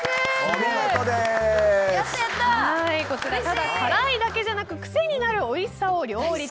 ただ辛いだけじゃなく癖になるおいしさを両立。